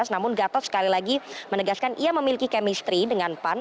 namun gatot sekali lagi menegaskan ia memiliki kemistri dengan pan